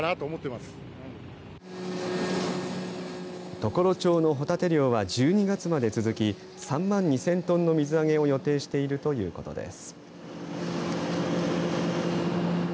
常呂町のホタテ漁は１２月まで続き３万２０００トンの水揚げを予定しているということです。